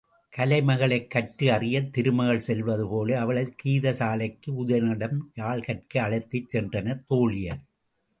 கலை மகளைக் கற்று அறியத் திருமகள் செல்வதுபோல, அவளைக் கீதசாலைக்கு உதயணனிடம் யாழ் கற்க அழைத்துச் சென்றனர் தோழியர்.